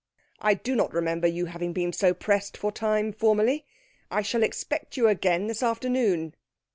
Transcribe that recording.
"I do not remember your having been so pressed for time formerly. I shall expect you again this afternoon."